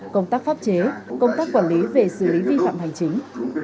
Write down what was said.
công tác pháp chế công tác quản lý về xử lý vi phạm hành chính